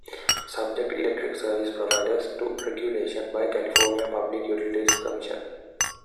Subjects electric service providers to regulation by California Public Utilities Commission.